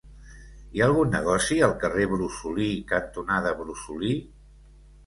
Hi ha algun negoci al carrer Brosolí cantonada Brosolí?